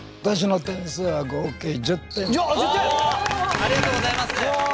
ありがとうございます。